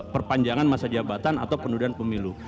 perpanjangan masa jabatan atau pendudukan pemilu